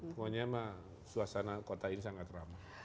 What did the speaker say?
pokoknya emang suasana kota ini sangat ramah